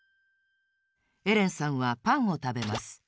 エレンさんはパンをたべます。